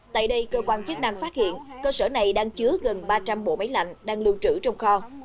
tại đây cơ quan chức năng phát hiện cơ sở này đang chứa gần ba trăm linh bộ máy lạnh đang lưu trữ trong kho